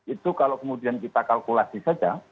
itu kalau kemudian kita kalkulasi saja